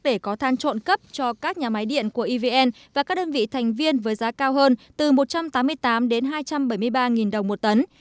để có than trộn cấp cho các nhà máy điện của evn và các đơn vị thành viên với giá cao hơn từ một trăm tám mươi tám đến hai trăm bảy mươi ba đồng một tấn